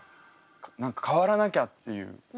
何か変わらなきゃっていう。